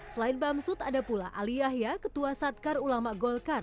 selain bamsud ada pula ali yahya ketua satkar ulama golkar